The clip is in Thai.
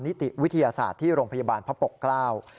นิติวิทยาศาสตร์ที่โรงพยาบาลพระปกเกล้า